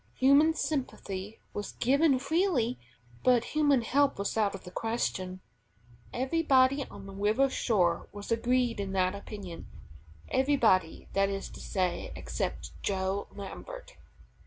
Human sympathy was given freely, but human help was out of the question. Everybody on the river shore was agreed in that opinion. Everybody, that is to say, except Joe Lambert.